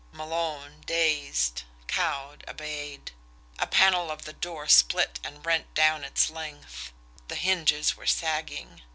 Malone, dazed, cowed, obeyed. A panel of the door split and rent down its length the hinges were sagging.